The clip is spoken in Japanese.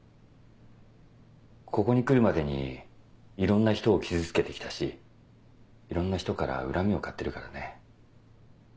ここに来るまでにいろんな人を傷つけて来たしいろんな人から恨みを買ってるからね。